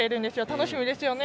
楽しみですよね。